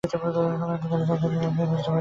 সময় এত জোরে চলছিল যে, চলছে বলে বুঝতেই পারি নি।